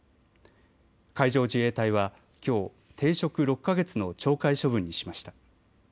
海上自衛隊はきょう停職６か月の懲戒処分にしました。